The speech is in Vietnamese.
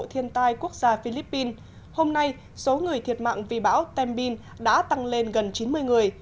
thiên tai quốc gia philippines hôm nay số người thiệt mạng vì bão tambin đã tăng lên gần chín mươi người